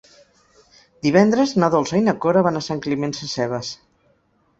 Divendres na Dolça i na Cora van a Sant Climent Sescebes.